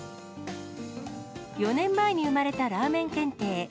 ４年前に生まれたラーメン検定。